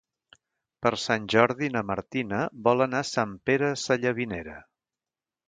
Per Sant Jordi na Martina vol anar a Sant Pere Sallavinera.